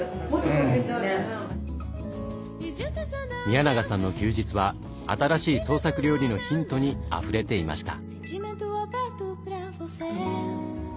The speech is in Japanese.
宮永さんの休日は新しい創作料理のヒントにあふれていました。